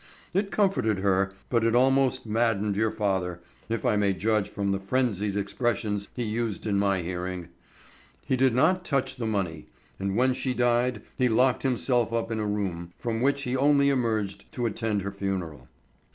It comforted her, but it almost maddened your father, if I may judge from the frenzied expressions he used in my hearing. He did not touch the money, and when she died he locked himself up in a room, from which he only emerged to attend her funeral.